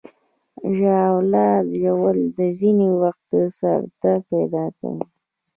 ژاوله ژوول ځینې وخت د سر درد پیدا کوي.